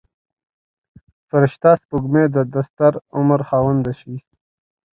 فرشته سپوږمۍ د دستر عمر خاونده شي.